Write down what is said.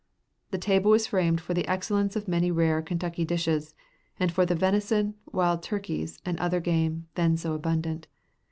Their table was famed for the excellence of many rare Kentucky dishes, and for the venison, wild turkeys, and other game, then so abundant.